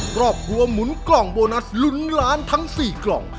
ครอบครัวหมุนกล่องโบนัสลุ้นล้านทั้ง๔กล่อง